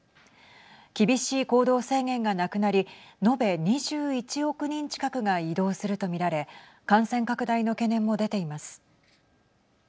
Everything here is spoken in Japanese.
厳しい行動制限がなくなり延べ２１億人近くが移動すると見られ感染拡大の懸念も出ています。